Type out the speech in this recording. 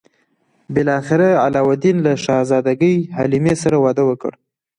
بالاخره علاوالدین له شهزادګۍ حلیمې سره واده وکړ.